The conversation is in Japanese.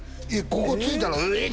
ここ突いたらおえっ！